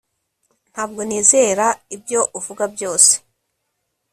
Ntabwo nizera ibyo uvuga byose